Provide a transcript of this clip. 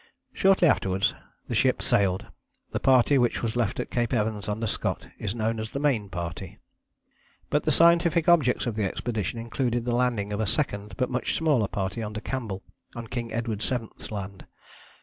Shortly afterwards the ship sailed. The party which was left at Cape Evans under Scott is known as the Main Party. But the scientific objects of the expedition included the landing of a second but much smaller party under Campbell on King Edward VII.'s Land.